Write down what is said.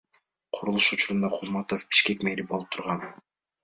Курулуш учурунда Кулматов Бишкек мэри болуп турган.